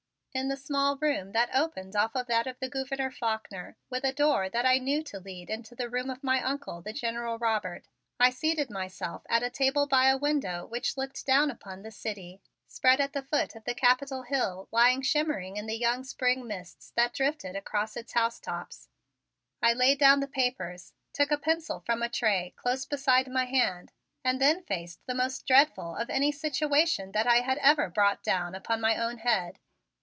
In the small room that opened off of that of the Gouverneur Faulkner, with a door that I knew to lead into the room of my Uncle, the General Robert, I seated myself at a table by a window which looked down upon the city spread at the foot of the Capitol hill lying shimmering in the young spring mists that drifted across its housetops. I laid down the papers, took a pencil from a tray close beside my hand and then faced the most dreadful of any situation that I had ever brought down upon my own head.